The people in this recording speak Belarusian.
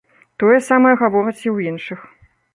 Тое самае гавораць і ў іншых.